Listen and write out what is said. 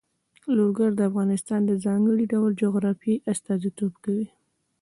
لوگر د افغانستان د ځانګړي ډول جغرافیه استازیتوب کوي.